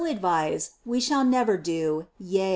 advise, we shnll never h; yeg.